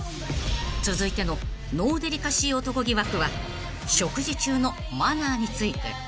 ［続いてのノーデリカシー男疑惑は食事中のマナーについて］